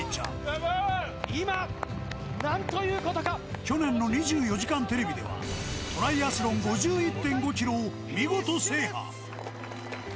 今、去年の２４時間テレビでは、トライアスロン５１．５キロを見事制覇。